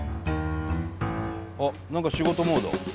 あっ何か仕事モード。